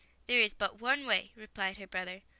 " There is but one way," replied her brother.